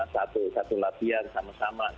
satu latihan sama sama